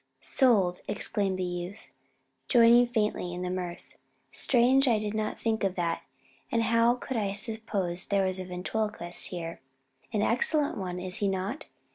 "Sold!" exclaimed the youth, joining faintly in the mirth. "Strange I did not think of that, though how could I suppose there was a ventriloquist here?" "An excellent one, is he not?